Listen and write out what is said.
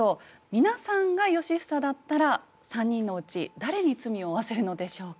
皆さんが良房だったら３人のうち誰に罪を負わせるのでしょうか。